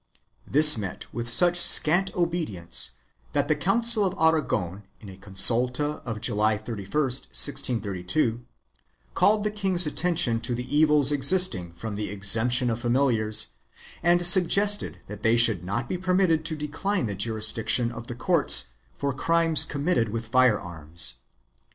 This met with such scant obedience that the Council of Aragon in a consulta of July 31, 1632, called the king's attention to the evils existing from the exemption of familiars and suggested that they should not be permitted to decline the jurisdiction of the courts for crimes committed with fire arms.